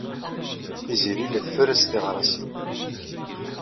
Tiziri la tferres tiɣrasin.